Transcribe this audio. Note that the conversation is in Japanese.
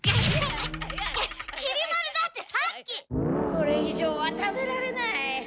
これいじょうは食べられない。